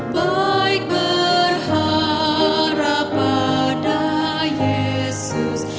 baik berharap pada yesus